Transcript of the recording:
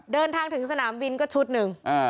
เดินทางถึงสนามบินก็ชุดหนึ่ง